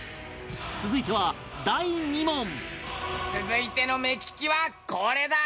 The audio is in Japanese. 続いては第２問続いての目利きはこれだ。